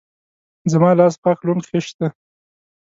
زما لاس پاک لوند خيشت ده.